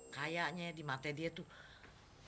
kayaknya di mata dia tuh